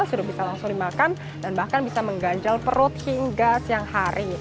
sudah bisa langsung dimakan dan bahkan bisa mengganjal perut hingga siang hari